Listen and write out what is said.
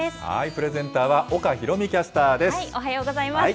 プレゼンターは岡裕美キャスターです。